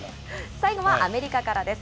最後はアメリカからです。